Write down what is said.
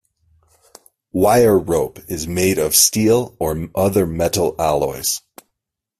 Wire rope is made of steel or other metal alloys.